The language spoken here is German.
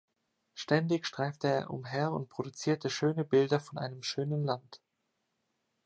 Ständig streifte er umher und produzierte schöne Bilder von einem schönen Land.